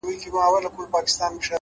انسان د خپلو پټو انتخابونو نتیجه ده،